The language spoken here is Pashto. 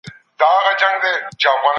دوی د خلګو د غولولو هڅه کوي.